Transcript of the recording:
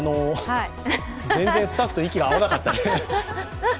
全然、スタッフと息が合わなかった。